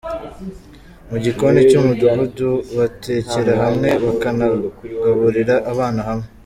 Mu gikoni cy’umudugudu batekera hamwe bakanagaburirira abana hamwe.